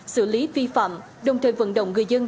xử lý vi phạm đồng thời vận động người dân